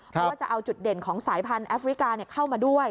เพราะว่าจะเอาจุดเด่นของสายพันธุแอฟริกาเข้ามาด้วย